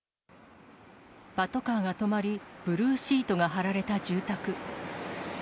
パトカーが止まり、ブルーシートが張られた住宅。